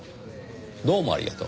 どうもありがとう。